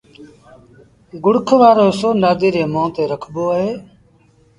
گُوڙک وآرو هسو نآديٚ ري مݩهݩ تي رکبو اهي۔